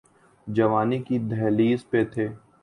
جوانی کی دہلیز پہ تھے۔